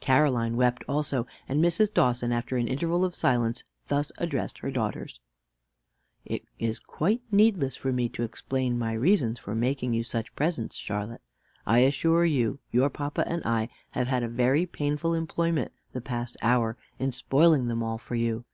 Caroline wept also; and Mrs. Dawson, after an interval of silence, thus addressed her daughters: "It is quite needless for me to explain my reasons for making you such presents, Charlotte. I assure you your papa and I have had a very painful employment the past hour in spoiling them all for you.